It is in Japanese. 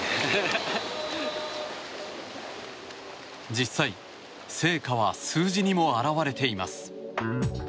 実際、成果は数字にも表れています。